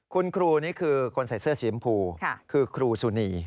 คุณครูนี่คือคนใส่เสื้อสีชมพูคือครูสุนี